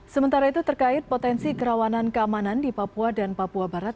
sementara itu terkait potensi kerawanan keamanan di papua dan papua barat